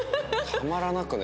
たまらなくね。